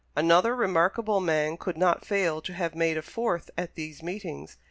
Another remarkable man could not fail to have made a fourth at these meetings.